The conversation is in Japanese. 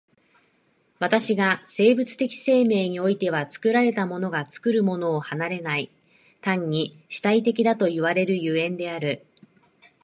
私が生物的生命においては作られたものが作るものを離れない、単に主体的だという所以である。